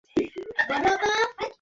কালকের দিন আর আমার হাতে নেই।